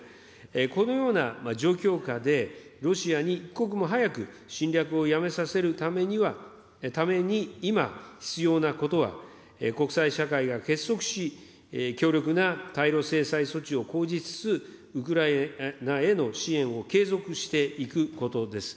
このような状況下で、ロシアに一刻も早く、侵略をやめさせるために今、必要なことは、国際社会が結束し、強力な対ロ制裁措置を講じつつ、ウクライナへの支援を継続していくことです。